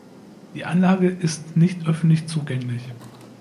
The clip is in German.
Die Anlage ist nicht öffentlich zugänglich.